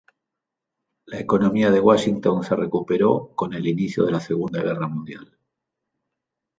La economía de Washington se recuperó con el inicio de la Segunda Guerra Mundial.